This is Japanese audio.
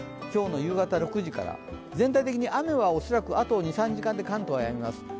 今日の夕方６時から、全体的に雨は恐らくあと２３時間で関東はやみます。